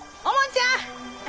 おもんちゃん！